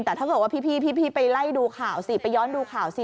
แต่ถ้าเกิดว่าพี่ไปไล่ดูข่าวสิไปย้อนดูข่าวสิ